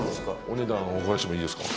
お値段お伺いしてもいいですか？